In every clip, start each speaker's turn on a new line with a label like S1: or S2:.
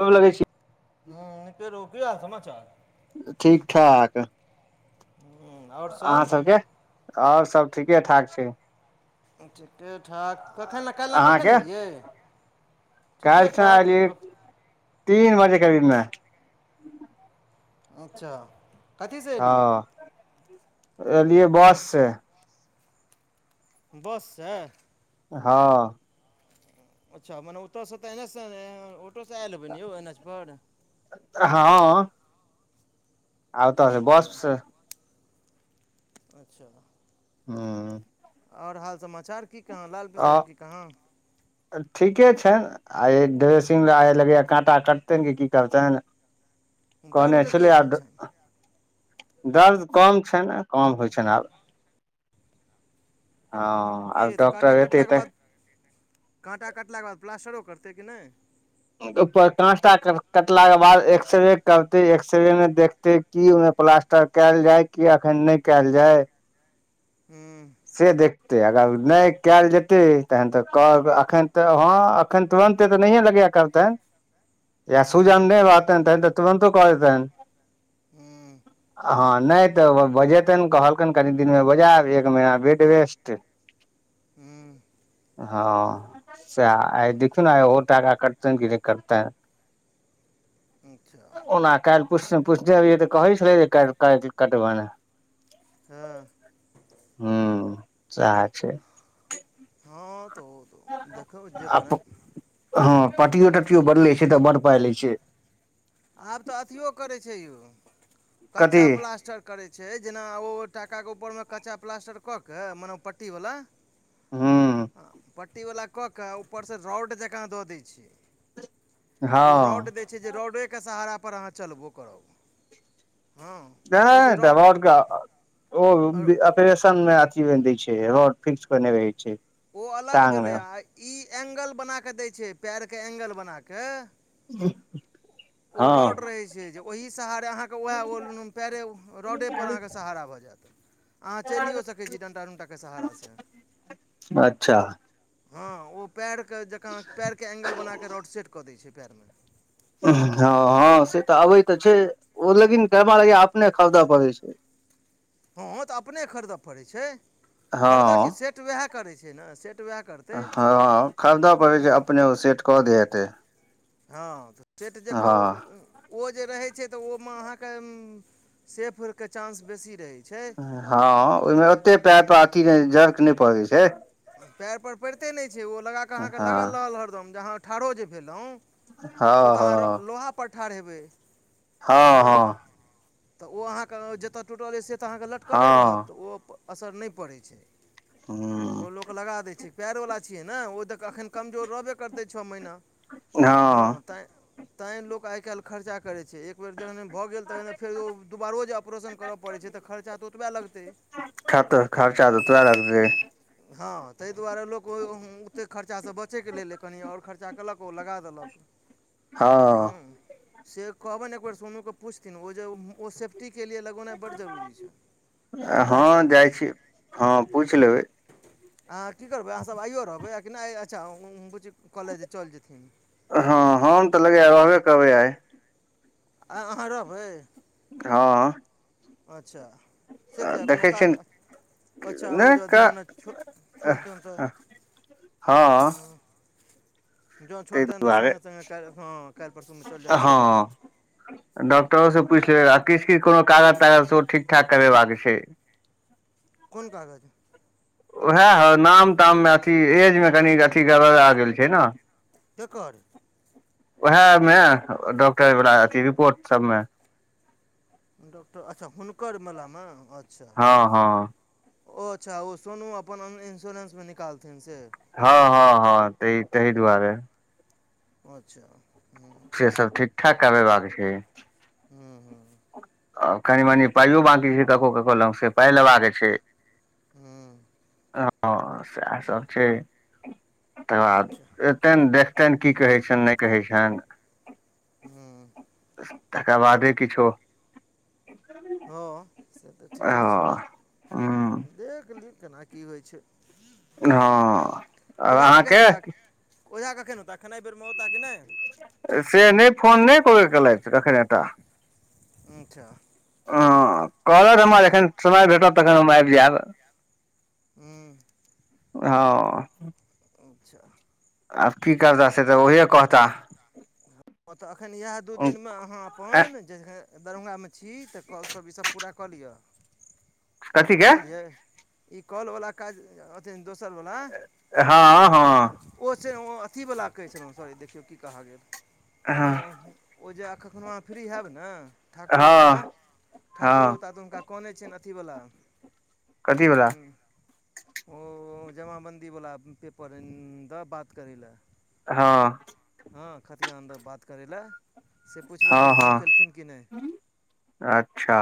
S1: गोर लगैय छि।
S2: हू निके रहू कि हाल समाचार।
S1: ठीक-ठाक।
S2: हूँ आओर
S1: अहां
S2: सब
S1: सबके और सब ठीके-ठाक छैय।
S2: ठीके-ठाक। कखन काल्हि कखन एलियै?
S1: काईल
S2: ठीके
S1: सऽ
S2: ठाक
S1: आय रही तीन बजे करीब मे।
S2: अच्छा। कथीसँ एलियै
S1: हं, एलियै बस से।
S2: बस स?
S1: हं।
S2: अच्छा, मने ओतऽ से तऽ एन एस से न अं ओटो से आयल हेबै ने यौ एनएच पर?
S1: हं।
S2: अच्छा,
S1: बस से
S2: अच्छा।
S1: हं
S2: आओर हाल समाचार की कहाँ, लाल पिसा की कहाँ?
S1: ठीके छैन। आय ड्रेसिंग ल लगैय काँटा कटतनि कि की करतनि? कहने
S2: दर्दके की
S1: छलियै आब
S2: हाल
S1: दे
S2: छनि
S1: दर्द कम छैन, कम होइ छैन आब। हँ।
S2: की
S1: आब
S2: हेतै काँटा
S1: डॉक्टर एतै
S2: कटलाके
S1: तऽ
S2: बाद? काँटा कटलाके बाद प्लास्टरो करतै कि नय?
S1: पर काँटा कटला के बाद एक्सरे करतै,, एक्सरे में देखतै की ओहिमे प्लास्टर कयल जाय कि एखन नय कयल जाय।
S2: हूँ।
S1: से देखतै। अगर नहि कयल जेतै तखन तऽ कहब, एखन तऽ हँ एखन तुरन्ते तऽ नहिये लगैये करतैन। जहिया
S2: हूँ
S1: सुजन नै रहतैन तखैन ते तुरंतो कऽ देतैन।
S2: हुं।
S1: हँ, नहि तऽ बजेतनि। कहलकनि कनि दिनमे बजा लेब, एक महिना बेड रेस्ट [inaudible]
S2: हुं।
S1: हँ सै। आइ देखियौ ने आइओ टाका कटतनि कि नहि कटतैन।
S2: अच्छा
S1: ओना काल्हि कोश्चन पुछने रहियै तऽ कहै छलै जे काल्हि कटबनि।
S2: हँ।
S1: हूं, सैह छै।
S2: हँ तऽ ओ तऽ देखू जे करैथ।
S1: हँं पटियो-टटियो बदलै छै त बड पाइ लै छै।
S2: आब तऽ अथियो करै छै यौ,
S1: कथी
S2: कच्चा प्लास्टर करै छै। जेना ओ टाकाके उपरमे कच्चा प्लास्टर कऽ के मने पट्टी वला
S1: हूं
S2: हं, पट्टीवला कऽ कऽ ऊपरसँ रौड जँकाँ दऽ दै छै। ओ रोड
S1: हँ
S2: दै छै जे रोडेके सहारापर अहाँ चलबो करब। हँ ओ
S1: नै
S2: जे
S1: त
S2: रॉड
S1: रौड के [unintelligible]
S2: ओ
S1: परेशन मे अथी में दै छै, रोड फिक्स केने रहै छै।
S2: ओ अलग
S1: टांग मे
S2: भेलै। आ ई ए्ंगल बना कऽ दै छै, पएरके ए्ंगल बना कऽ
S1: हं।
S2: ओ रोड रहे छै जे ओहि सहारे अहाँके वैह ओ अं पैरे, रोडे ऊपर अहाँके सहारा भऽ जायत। अहाँ चलियो सकै छी डण्टा-उण्टाके सहारासे।
S1: अच्छा।
S2: हँ ओ पैरके जकां, पैरके ए्ंगल बना कऽ रोड सेट कऽ दै छै पैरमे।
S1: हँ, हँ, से तऽ अबै तऽ छै। ओ लेकिन दवाई या अपने खरीदय पड़ै छै।
S2: हँ तऽ अपने खरीदय पड़ैत छै।
S1: हँ
S2: खरीदय कि सेट वैह करैत छै ने सेट वैह
S1: हँ खरीदऽ पड़ै छै अपने ओ सेट कऽ देत।
S2: हँ तऽ सेट जे क ऊं ऊं ओ जे रहै छै तऽ ओहिमे अहाँके ऊं ऊं सेफके चान्स बेसी रहै छै।
S1: हँ ओइमे ओतेक पाइप अथी नै जर्क नै पड़ै छै।
S2: पएर पर परिते नै छै, ओ लगा क अहाँके
S1: हँ
S2: लागल रहल हरदम जे, अहाँ ठाढ़ो जे भेलहुँ ओ त अहाँ
S1: हँ
S2: लोहा पर ठाढ़ हेबै, हँ। त ओ अहाँके जत टूटल ऐछ से त अहाँके लटकले रहत
S1: हँ
S2: त ओ असर नै परै छै।
S1: हँ।
S2: ओ लोक लगा दैय छैर पैर वला छियै ने ओ त एखन कमजोर रहबे करतै छ महीना। हँ तैं तै लोक आइ काइल खर्चा करै छै एक। बेेर जहने भ गेल तखन फेर ओ दुबारो जे ऑपरेशन कर परै छै त खर्चा त ओतबे लगतै
S1: हं त खर्चा त ओतबै लगतै
S2: हँ तैं दुआरे लोक ओ हं ओतेक खर्चासँ बचैके लेलइ कनी आओर खर्चा केलक ओ लगा देलक।
S1: ह [inaudible]
S2: हुं से कहबनि एक बेेर सोनूके पुछथिन ओ जे ओ से। फ्टीके लिए लगौनाइ बड्ड जरूरी छै हमरा
S1: हँ
S2: हिसाबे।
S1: जाइ छी हँ पुइछ लेबैय।
S2: अहाँ की करबै अहाँ सब आइयो रहबै आ कि नै अच्छा उं बुच्ची
S1: हँ हम त लगैया रहबे करबै आइ।
S2: आइ अहाँ रहबै?
S1: हँ
S2: अच्छा से किया कोनो
S1: देखै
S2: काज?
S1: छियै
S2: अ अच्छा ओ
S1: ने
S2: यदि
S1: का
S2: मने छोर छोड़तनि त।
S1: हँ
S2: जो छोड़तनि त
S1: दुआरे
S2: सङ्गे सङ्गे काल्हि कखनो काल्हि परसूमे चल जाएब से बात
S1: हँ डॉक्टरो स पूछि लेबै आ किछ किछ कोनो कागज तागज सेहो ठीक ठाक करेबाक छैय।
S2: कोन कागज?
S1: उहे अ नाम ताममे अथी एजमे कनि अथी गड़बड़ा गेल छैय न
S2: केकर?
S1: ओएह मे डॉक्टर वला अथी रिपोर्ट सबमे।
S2: डॉक्टर अच्छा हुनकर वलामे अच्छा।
S1: हँ हँ
S2: ओ अच्छा ओ सोनू अपन ओइमे इन्श्योरेंसमे निकालथिन से,
S1: हँ हँ हँ तै तही दुआरे
S2: अच्छा हूँ
S1: से सब ठीक ठाक करेबाक छैय।
S2: हूँ हूँ हूँ।
S1: आ कनी मनी पाइयो बांकी छै ककरो ककरो लग से पाइ लेबाके छैय
S2: हूँ
S1: आ हँ सैह सब छैय। तकर बाद
S2: अच्छा
S1: एतनि देखतनि की कहै छनि नै कहय छनि
S2: हूं
S1: तकर बादे किछ। किछो
S2: हँ से त ठीके छै
S1: हँ हँ
S2: देख ली केना की होइ छैय।
S1: हँ आब
S2: कखन
S1: अहाँके
S2: होता ओझा कखन औता? खेनाइ बेरमे औता कि नैय?
S1: से नै फोन नै एको बेर केलथि कखनि एता
S2: अच्छा।
S1: हँ कहलथि हमरा जखन समय भेटत तखन हम आबि जाएब।
S2: हूँ
S1: [inaudible]
S2: अच्छा
S1: आब की करता से तऽ उहे कहता।
S2: हां, तऽ अखन इहाए दू दिनमे अहाँ अपन जे दरभंगा मे छी तऽ कॉल सब ई सब पूरा क लियौ
S1: कथी के
S2: बुझलियै ई कॉल वला काज अ ते मे दोसर बला
S1: हँ
S2: आ
S1: हँ
S2: ओ छै ओ अथी वला कहै छलौ सॉरी, देखियौ की कहऽ गेल। हां
S1: हँ
S2: ओ जे आ कखनो अहाँ फ्री हाएब नै। ठाकुर होता,
S1: हँ
S2: ठाकुर
S1: हँ
S2: होता तऽ हुनका कहनै छियैन अथी वला
S1: कथी वला
S2: उँह। ओ जमा बन्दी बला उम्म पेपर द बात करै लै।
S1: हां।
S2: हां खथियान द बात करै लै से
S1: हँ
S2: पुछबैन जे [unintelligible]
S1: हँ
S2: केलखिन कि नै।
S1: अच्छा,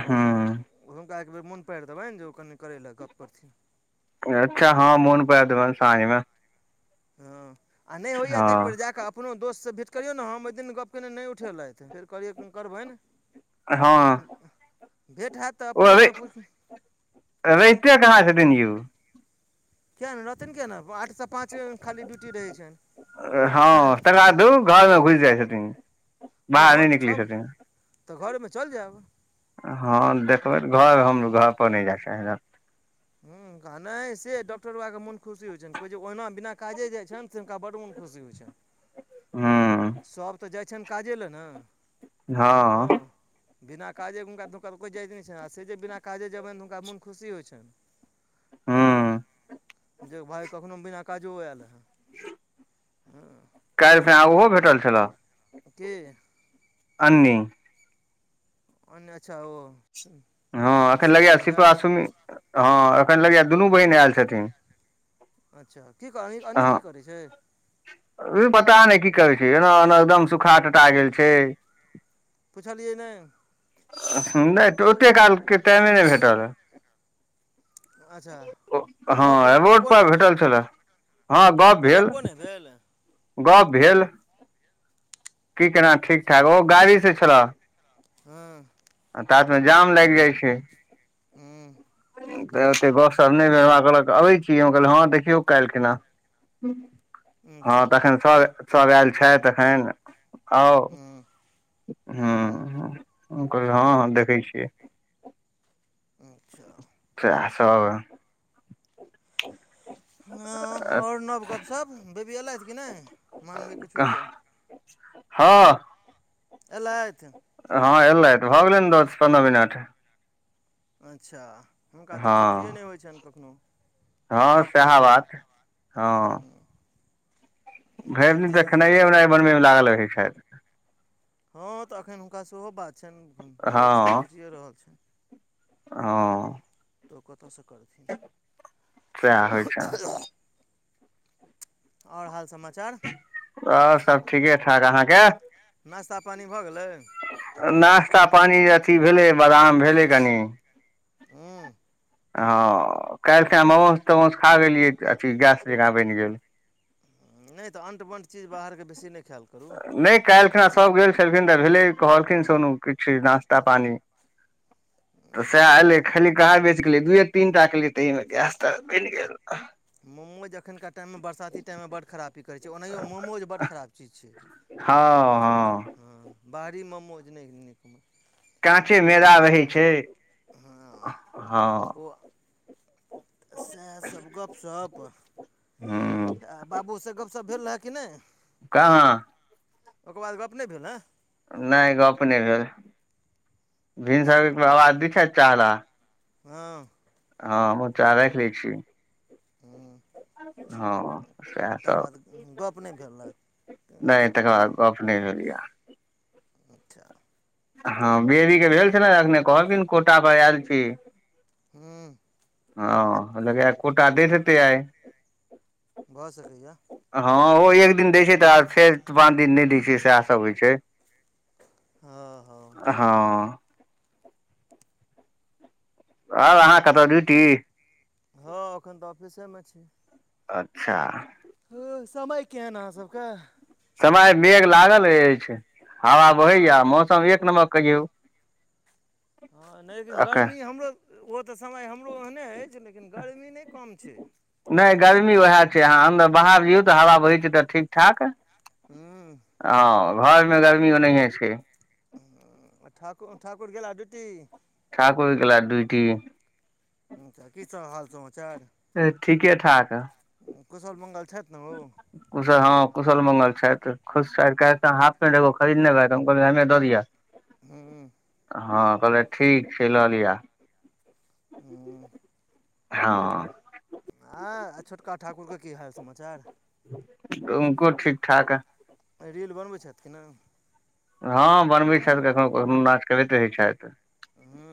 S2: ओ हुनका एक बेेर मुन पार देबैन जे ओ कनि करैलै गप्प करथिन।
S1: अच्छा, हां मुन पार देबैन साँझमे।
S2: हां आ नै होयया तऽ
S1: हँ
S2: एकबेर जा कऽ अपनो दोस्त से भेट करियौ ने, हम ओय दिन गप कयने नै उठेलै। ते फेर कहलियै एखन करबैन
S1: हँ
S2: उम्म भेट हाएत तऽ अपने एक बेर पुछ
S1: रैहते कहाँ छथिन यू।
S2: किया नै रहथिन किया ने आठ से पाँच खाली ड्यूटी रहै छैन।
S1: अ हां तकर बाद उ घर मे घुस जाय छथिन,
S2: हँ
S1: बाहर
S2: हँ
S1: नै
S2: तऽ छओ
S1: निकलै छथिन।
S2: तऽ घर मे चल जाएब।
S1: हां देखबै घर हम घर पर नै जाय छै ना।
S2: हुं आ नै से डॉक्टरबा के मुन खुशी होय छैन, कोय जे ओहना बिना काजे जाय छन तऽ हुनका बड मुन खुशी होय छैन, हां सब तऽ जाय छैन काजे लए नै।
S1: हँ
S2: हां। बिना काजे हुनका दुकान कोय जाएते नै छैन आ से जे बिना काजे जेबैन हुनका मुन खुशी होय छन।
S1: ह
S2: हां जे भाय कखनो बिना काजो आएल हें।
S1: [unintelligible]
S2: हां।
S1: काएल खुना उहो भेटल छलऽ।
S2: के।
S1: अन्नी।
S2: अन्नी, अच्छा ओ।
S1: हां एखन लगैया
S2: शिप्राके भए
S1: शिपरा, सुम, हां एखन लगैया दुनू बहिन आएल छथिन।
S2: अच्छा की कहलिक अन्नी की करै छै।
S1: ई पता ने की करै छै, एना-एना एकदम सूखा, टटा गेल छै।
S2: पुछलियै नै।
S1: नै तऽ ओते काल के टाइमे नै भेटल।
S2: अच्छा
S1: ओ हां
S2: गप
S1: आ रोड
S2: गप्पो
S1: पर
S2: नहि भेल
S1: भेटल छलाए। हां गप्प
S2: तऽ
S1: भेल।
S2: गप्पो नहि भेल
S1: गप भेल की केना ठीक-ठाक, ओ गाड़ी से छलऽ।
S2: हां।
S1: आ तात मे जाम लाएग जाय छै।
S2: हूँ।
S1: तऽ ओते गप-सप नै भेल हमरा कहलक आबै छी, हम कहलौ हां देखियौ काएल खेना।
S2: अच्छा
S1: हां तखन सब, सब आएल छैथ। तऽखन आउ
S2: हूँ हूँ
S1: ह। उनकर हँ देखैत छियै।
S2: अच्छा।
S1: सहे सब। [inaudible]
S2: ह आओर नव गप सब, बेबी एल छै कि नय।
S1: कह, हँ।
S2: एलेथ।
S1: हँ एल तऽ भऽ गेले ने दस-पन्द्रह मिनट।
S2: अच्छा, हुनका तऽ छुट्टिए
S1: हँ
S2: नहि होइ छन कखनहु।
S1: हँ
S2: गप्प
S1: सएह
S2: करतैथ
S1: बात हँ
S2: हं।
S1: भरि दिन देखऽ खेनाइए ओनाइ बनबैमे लागलग है छैथ।
S2: हँ तऽ एखन हुनका सेहो बात छनि, लोकसभ जुटिए रहल छनि।
S1: हं।
S2: तऽ क तसऽ करत।
S1: सैह होइ छैन।
S2: आओर हाल-समाचार।
S1: आओर सब ठीके-ठाक अहाँके?
S2: नास्ता पानी भऽ गेलै?
S1: नाास्ता पानि अथी भेलै बादाम भेलै कनी।
S2: हँ।
S1: हँ काल्हि त ममोज तमाोज खा गेलियै अथी गैस जका बनि गेल।
S2: नहि तऽ अण्ट बणट चीज बाहरके बेसी नहि खैल।
S1: नहि काल्हिखिन सभ गेल छलखिन तऽ भेलै कहलखिन सोनू किछु नाास्ता-पानी तऽ सएह एलै खाली कहाँ बेच गेलियै दूए तीन टा केलियै तऽ ईमे गैस तऽ बनि गेल।
S2: मोमोज अखनका टाइममे बरसाती टाइममे बड खराब पी करै छै ओनाहियो मोमोज बड्ड खराब चीज छै, मोमोज कोनो हँ बाहरी मोमौज नहि, नहि नीक।
S1: काँचे
S2: ताहिमे
S1: मैदा रहै छै।
S2: हँ
S1: हँ।
S2: सैह सब गपशप।
S1: ह
S2: आ बाबूसँ गपशप भेल रहए कि नहि?
S1: कहाँ।
S2: ओकर बाद गप नहि भेल हँ?
S1: नहि गप नहि भेल
S2: हेँ अच्छा
S1: भिनसरकेो आवाज दिखा चाहला।
S2: हँ।
S1: हँ हमहु चाह रा ख लै छी।
S2: हूँ।
S1: हँ सएह सब
S2: गप नहि भेल रहए
S1: नहि
S2: एखन
S1: तकर बाद। गप नई भेल या।
S2: अच्छा।
S1: हँ बेबी के भेल छै ने अखने कहबी कोटा पर आयल छी।
S2: हूं।
S1: हँ लगय कोटा दैत हेते आइ।
S2: भऽ सकैएा।
S1: हँ ओ एक दिन दै छै तऽ आ फेर पाँच दिन नहि दै छै सएह सभ होइ छै।
S2: हँ हँ
S1: हँ आर अहाँ कतऽ ड्यूटी?
S2: हँ एखन तऽ ऑफिसे में छी।
S1: अच्छा।
S2: ह समय केहन अहाँ सभके?
S1: समय मेघ लागल अछि, हवा
S2: हँ
S1: बहैया, मौसम एक नमबर कहियौ।
S2: हँ, नहि लेकिन
S1: एखन
S2: गर्मी हमरो ओ तऽ समय हमरो ओहने अछि लेकिन गरमी नहि कम छैय।
S1: नहि गर्मी उएह छैय। अहाँ अन्दर-बाहर जयौ तऽ हवा बही छै तऽ ठीक-ठाक।
S2: हूँ
S1: हँ घरमे गरमी ओनहिए छैय।
S2: ठाकुर ठाकुर गेला ड्यूटी?
S1: ठाकुर गेला ड्यूटी।
S2: की सब हाल समाचार?
S1: ठीके ठाक
S2: कुशल मंगल छथि ने ओ?
S1: कुशल हँ कुशल मंगल छथि खुश छथि कैल तऽ हाफ पेंट एगो खरीदने रहैत हम कहलियैन हमरे दऽ दियअ।
S2: हूँ।
S1: हँ कहलैथ ठीक छै लऽ लिअ।
S2: [inaudible]
S1: हँ।
S2: जान आ छोटका ठाकुरके की हाल समाचार।
S1: उनको ठीक ठाक।
S2: आइ रील बनबै छथि।
S1: हँ बनबै छथि कखनो कखनो नाच करैत रहैत छथि। [unintelligible]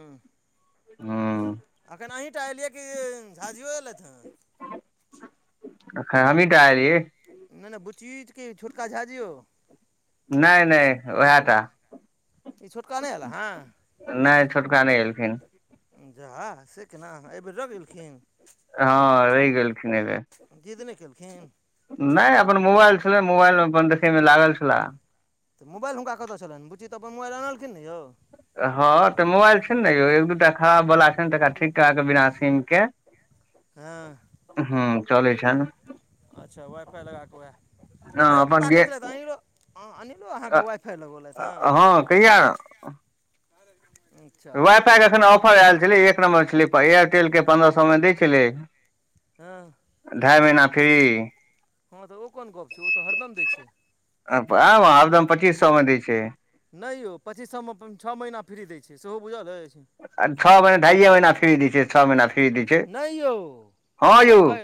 S1: हँ।
S2: अखन अहिटा एलियै कि झाजियो एयलथि हँ।
S1: एखन हमीटा एलियै।
S2: नहि नहि बुचिय की छोटका झाजियो?
S1: नय नय उएह टा।
S2: ई छोटका नै ऐला सँ?
S1: नहि छोटका नहि एलखिन
S2: जाह से केना? एहिबेर रहि गेलखिन।
S1: हँ रहि गेलखिन एहिबेर।
S2: जिद् नहि केलखिन।
S1: नहि अपन मोबाइल छलैन मोबाइलमे अपन देखैमे लागल छलाह।
S2: तऽ मोबाइल हुनका कत छलनि बुची तऽ अपन मोबाइल अनलखिन ने यौ।
S1: हँ तऽ मोबाइल छैन ने यौ एक दू टा खराब वला छैन तकरा ठीक करा के बिना सिम के। [inaudible]
S2: हँ।
S1: हूँ चलै छैन।
S2: अच्छा वाइफाई लगा कऽ वैह,
S1: हँ
S2: हयो
S1: अपन
S2: प्पा कहै
S1: गे
S2: छेलैथ अनेऱो अनील अनिलो अहाँके वाईफाई लगोलैथ हँ? अच्छा
S1: वाइफाइके एखन ऑफर एल छलैय एक नम्बर छलै एयरटेलके पन्द्रह सौ में दै छलैय।
S2: हँ।
S1: ढाई महिना फ्री।
S2: हँ तऽ ओ कोन गप छैय? ओ तऽ हरदम दैय छैय।
S1: आब आब त पच्चीस सौ मे दैय छैय।
S2: नहि यौ पचीस सौ मे छ महीना फ्री दैय छैय। सेहो बुझल अछि?
S1: अ छमे म ढाइए महीना फ्री दैय छय छ महीना फ्री दैय छय
S2: नहि यौ
S1: हँ
S2: हम
S1: यौ।
S2: कह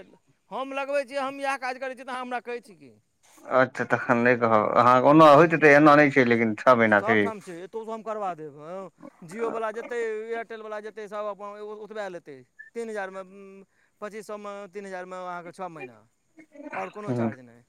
S2: हम लगबैय छी, हम इएह काज करै छी तऽ अहाँ हमरा कहै छी की?
S1: अच्छा तखन नय कहब अ हाँ ओना होइत हेतै एन नहि छै लेकिन। छओ महीना फ्री
S2: सबठाम छै। ओतौ सऽ हम करबा देब हँ जिओ वला जेतै एयरटेल वला जेतै सब अपन ओतबै लेतय। तीन हजारमे पच्चीस सौ मे तीन हजारमे अहाँके छ महीना। आओर कोनो चार्ज नय।